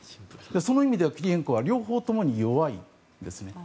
その意味で、キリエンコは両方とも弱いですね。